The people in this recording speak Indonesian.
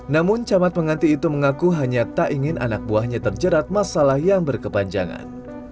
namun camat penganti itu mengaku hanya tak ingin anak buahnya terjerat masalah yang berkepanjangan